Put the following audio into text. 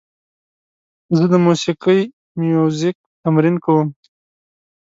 زه د موسیقۍ میوزیک تمرین کوم.